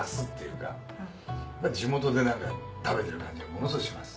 地元で食べてる感じがものすごいします。